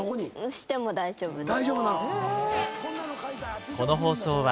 しても大丈夫です。